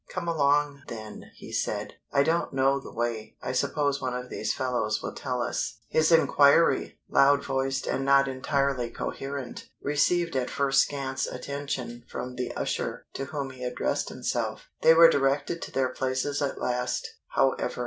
"Come along, then," he said. "I don't know the way. I suppose one of these fellows will tell us." His inquiry, loud voiced and not entirely coherent, received at first scant attention from the usher to whom he addressed himself. They were directed to their places at last, however.